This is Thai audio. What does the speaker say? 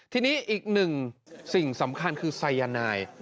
ทีนี้อีกหนึ่งสิ่งสำคัญคือไซยานาย